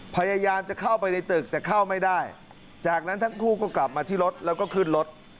พยายามจะเข้าไปในตึกแต่เข้าไม่ได้จากนั้นทั้งคู่ก็กลับมาที่รถแล้วก็ขึ้นรถ